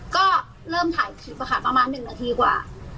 ก็เริ่มถ่ายคลิปค่ะประมาณ๑นาทีกว่า